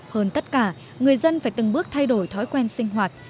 hơn tất cả người dân phải từng bước thay đổi thói quen sinh hoạt